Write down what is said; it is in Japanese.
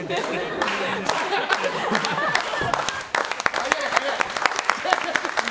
早い、早い。